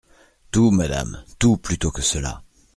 Tout, madame, tout plutôt que cela !